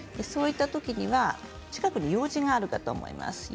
そういったときには近くに、ようじがあるかと思います。